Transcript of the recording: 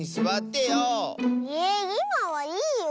いまはいいよ。